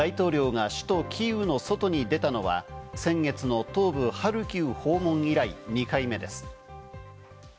侵攻開始以来、大統領が首都キーウの外に出たのは先月の東部ハルキウ訪問以来、２回目です。